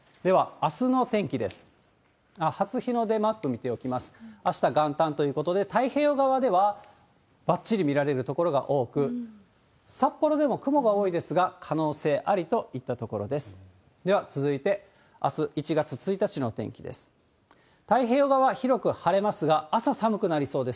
あした、元旦ということで、太平洋側ではばっちりみられる所が多く、札幌でも雲が多いですが、可能性ありといったところです。